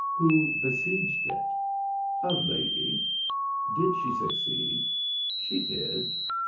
Who besieged it?" "A lady." "Did she succeed?" "She did."